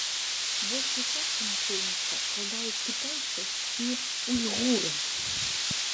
Большую частку насельніцтва складаюць кітайцы і уйгуры.